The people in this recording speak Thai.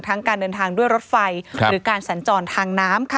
การเดินทางด้วยรถไฟหรือการสัญจรทางน้ำค่ะ